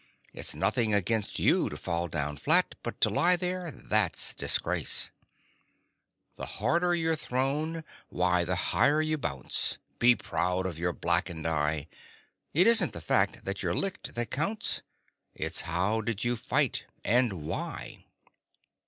It's nothing against you to fall down flat, But to lie there that's disgrace. The harder you're thrown, why the higher you bounce Be proud of your blackened eye! It isn't the fact that you're licked that counts; It's how did you fight and why?